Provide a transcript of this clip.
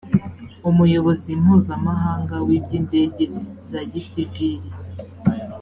umuyobozi mpuzamahanga w’iby’indege za gisivili